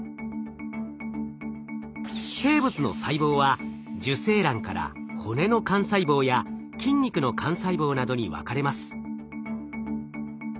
生物の細胞は受精卵から骨の幹細胞や筋肉の幹細胞などに分かれます。